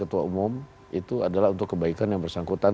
ketua umum itu adalah untuk kebaikan yang bersangkutan